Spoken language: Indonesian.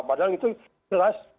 padahal itu jelas